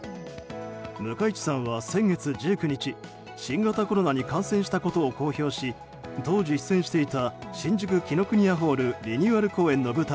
向井地さんは先月１９日新型コロナに感染したことを公表し当時出演していた新宿・紀伊國屋ホールリニューアル公演の舞台